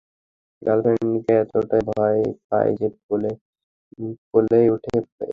গার্লফ্রেন্ডকে এতটাই ভয় পায় যে পোলেই উঠে পড়ে?